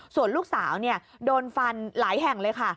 ส่วนลูกสาวโดนฟันหลายแห่งเลยค่ะ